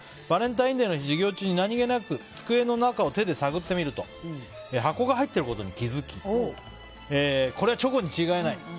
バレンタインデーの日授業中に何気なく机の中を手で探ってみると箱が入っていることに気づきこれはチョコに違いない。